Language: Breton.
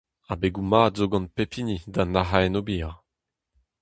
Abegoù mat zo gant pep hini da nac'hañ en ober.